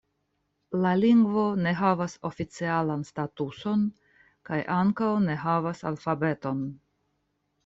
La lingvo ne havas oficialan statuson kaj ankaŭ ne havas alfabeton.